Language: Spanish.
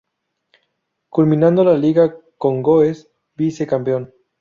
Culminando la liga con Goes Vice campeón.